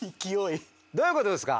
どういうことですか？